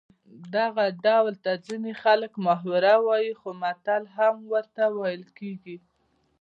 دغه ډول ته ځینې خلک محاوره وايي خو متل هم ورته ویل کېږي